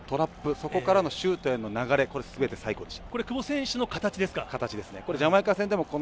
そこからのシュートへの流れ全て最高でした。